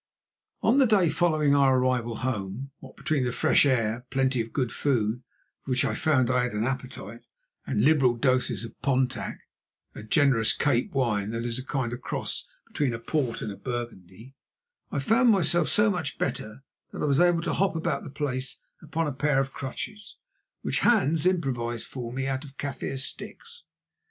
On the day following our arrival home, what between the fresh air, plenty of good food, for which I found I had an appetite, and liberal doses of Pontac—a generous Cape wine that is a kind of cross between port and Burgundy—I found myself so much better that I was able to hop about the place upon a pair of crutches which Hans improvised for me out of Kaffir sticks.